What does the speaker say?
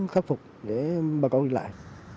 khắc phục để bà con đi lại